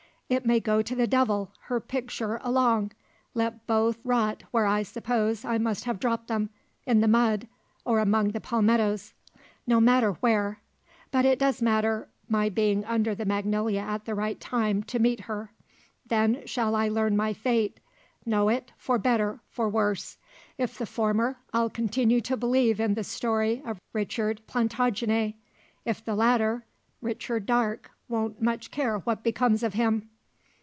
"It may go to the devil, her picture along! Let both rot where I suppose I must have dropped them in the mud, or among the palmettoes. No matter where. But it does matter, my being under the magnolia at the right time, to meet her. Then shall I learn my fate know it, for better, for worse. If the former, I'll continue to believe in the story of Richard Plantagenet; if the latter, Richard Darke won't much care what becomes of him."